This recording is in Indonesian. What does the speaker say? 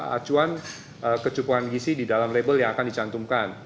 acuan kecukupan gisi di dalam label yang akan dicantumkan